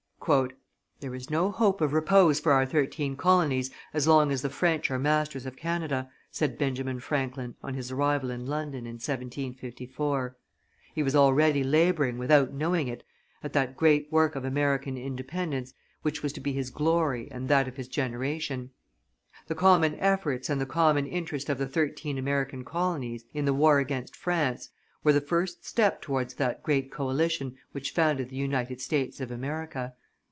"There is no hope of repose for our thirteen colonies, as long as the French are masters of Canada," said Benjamin Franklin, on his arrival in London in 1754. He was already laboring, without knowing it, at that great work of American independence which was to be his glory and that of his generation; the common efforts and the common interest of the thirteen American colonies in the war against France were the first step towards that great coalition which founded the United States of America.